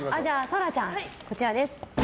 紗来ちゃん、こちらです。